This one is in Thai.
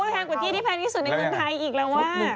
แพงกว่าที่ที่แพงที่สุดในเมืองไทยอีกแล้วว่า